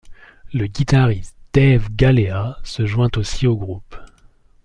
Le guitariste Dave Galea se joint aussi au groupe.